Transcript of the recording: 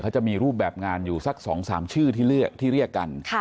เขาจะมีรูปแบบงานอยู่สัก๒๓ชื่อที่เรียกกัน